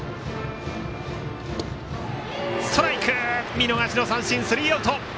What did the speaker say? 見逃し三振、スリーアウト！